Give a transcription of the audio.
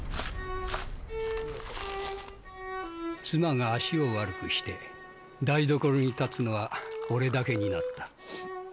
妻が足を悪くして、台所に立つのは俺だけになった。